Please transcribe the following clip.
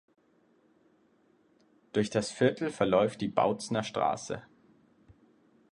Durch das Viertel verläuft die Bautzner Straße.